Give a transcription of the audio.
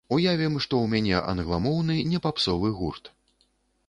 Уявім, што ў мяне англамоўны не папсовы гурт.